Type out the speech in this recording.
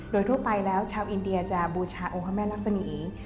โดยทั่วไปแล้วชาวอินเดียจะบูชาองค์พระแม่รักษมี